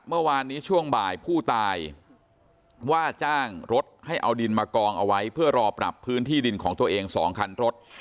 เมื่อวานนี้ช่วงบ่ายผู้ตายว่าจ้างรถให้เอาดินมากองเอาไว้เพื่อรอปรับพื้นที่ดินของตัวเอง๒คันรถ